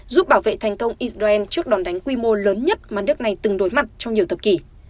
giúp bảo vệ thành công israel trước đòn đánh quy mô lớn nhất mà nước này từng đối mặt trong nhiều thập kỷ